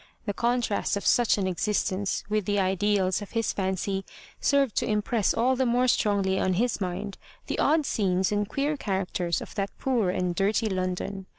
The contrast of such an existence with the ideals of his fancy served to im press all the more strongly on his mind the odd scenes and queer characters of that poor and dirty London.